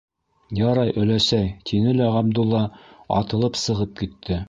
- Ярай, өләсәй, - тине лә Ғабдулла атылып сығып китте.